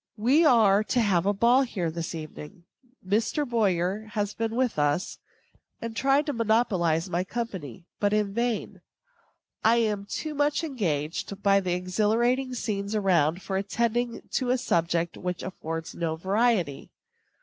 We are to have a ball here this evening. Mr. Boyer has been with us, and tried to monopolize my company; but in vain. I am too much engaged by the exhilarating scenes around for attending to a subject which affords no variety.